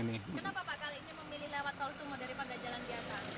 kenapa pak kali ini memilih lewat tol sumo daripada jalan biasa